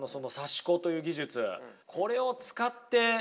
これを使ってね